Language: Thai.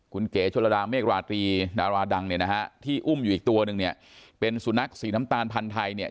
คุณเก๋ชนระดาเมฆราตรีดาราดังเนี่ยนะฮะที่อุ้มอยู่อีกตัวนึงเนี่ยเป็นสุนัขสีน้ำตาลพันธุ์ไทยเนี่ย